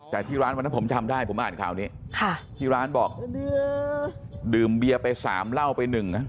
แต่ที่ร้านวันนั้นผมจำได้ผมอ่านข่าวนี้ที่ร้านบอกดื่มเบียไป๓เหล้าไป๑